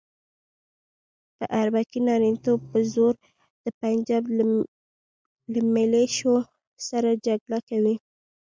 په اربکي نارینتوب په زور د پنجاب له ملیشو سره جګړه کوي.